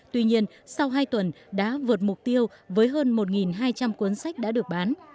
tuy nhiên sau hai tuần đã vượt mục tiêu với hơn một hai trăm linh cuốn sách đã được bán